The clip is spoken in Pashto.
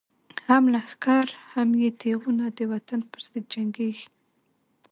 هم لښکر هم یی تیغونه، د وطن پر ضد جنگیږی